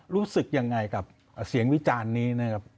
รู้สึกอย่างไรกับเสียงวิจาณนี้